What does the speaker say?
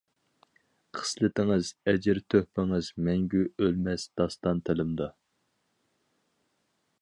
خىسلىتىڭىز، ئەجىر، تۆھپىڭىز، مەڭگۈ ئۆلمەس داستان تىلىمدا.